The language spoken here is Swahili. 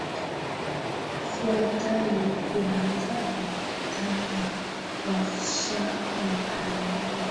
yafuatayo Kuandaa mikutano na warsha mbalimbali ili